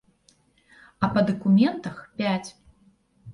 А па дакументах пяць.